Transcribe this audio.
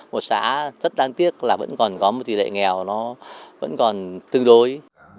một xã rất đáng tiếc là vẫn còn có một tỷ lệ nghèo nó vẫn còn tương đối